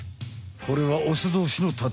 これはオスどうしの戦い。